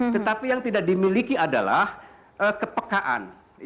tetapi yang tidak dimiliki adalah kepekaan